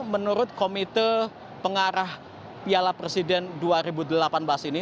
menurut komite pengarah piala presiden dua ribu delapan belas ini